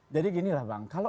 jadi ginilah bang kalau